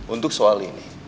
untuk soal ini